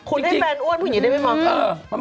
คุณให้แฟนอ้วนพวกนี้ได้ได้บอก